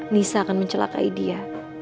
nisa akan mencelakai dia